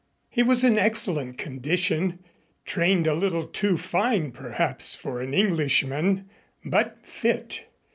He was in excellent condition, trained a little too fine perhaps for an Englishman, but fit.